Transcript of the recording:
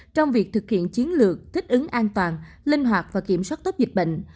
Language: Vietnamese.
trong việc thực hiện chiến lược thích ứng an toàn linh hoạt và kiểm soát tốt dịch bệnh